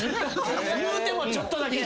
いうてもちょっとだけ。